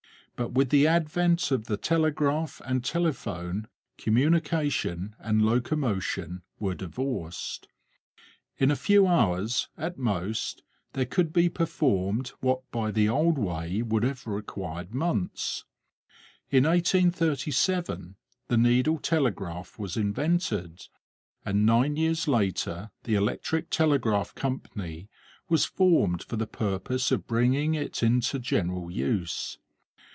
But with the advent of the telegraph and telephone, communication and locomotion were divorced. In a few hours, at most, there could be performed what by the old way would have required months. In 1837 the needle telegraph was invented, and nine years later the Electric Telegraph Company was formed for the purpose of bringing it into general use.